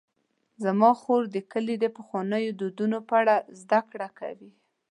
زما خور د کلي د پخوانیو دودونو په اړه زدهکړه کوي.